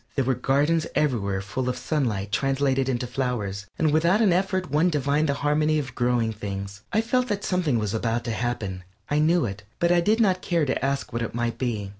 There were gardens everywhere full of sunlight translated into flowers, and without an effort one divined the harmony of growing things. I felt that something was about to happen; I knew it, but I did not care to ask what it might be.